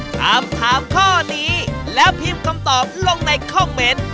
ถามถามข้อนี้แล้วพิมพ์คำตอบลงในคอมเมนต์